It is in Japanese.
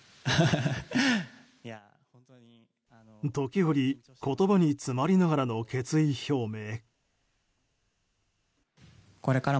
時折、言葉に詰まりながらの決意表明。